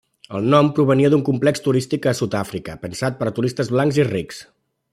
El nom provenia d'un complex turístic a Sud-àfrica pensat per a turistes blancs i rics.